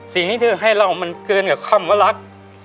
สิ่งที่เธอให้เรามันเกินกับคำว่ารัก